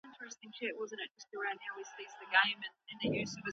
که طبیعي سرچینې سمي وکارول سي، نو راتلونکي نسلونه نه بې برخې کیږي.